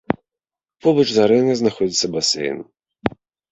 Побач з арэнай знаходзіцца басейн.